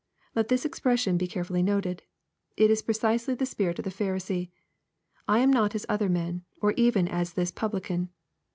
] Let this expression be carefully noted. It is precisely the spirit of the Pharisee, " I am not as other men, — or even as this pubhcan."